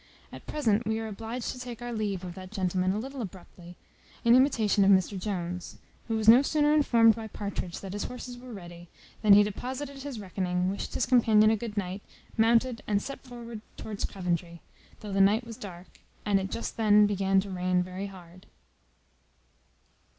At present we are obliged to take our leave of that gentleman a little abruptly, in imitation of Mr Jones; who was no sooner informed, by Partridge, that his horses were ready, than he deposited his reckoning, wished his companion a good night, mounted, and set forward towards Coventry, though the night was dark, and it just then began to rain very hard.